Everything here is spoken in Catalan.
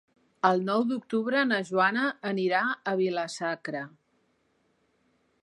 El nou d'octubre na Joana anirà a Vila-sacra.